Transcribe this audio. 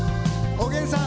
「おげんさん」